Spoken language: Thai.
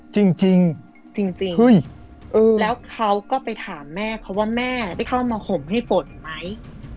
จริงจริงแล้วเขาก็ไปถามแม่เขาว่าแม่ได้เข้ามาห่มให้ฝนไหม